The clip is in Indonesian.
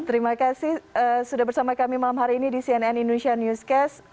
terima kasih sudah bersama kami malam hari ini di cnn indonesia newscast